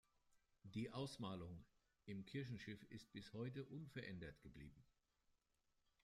Die Ausmalung im Kirchenschiff ist bis heute unverändert geblieben.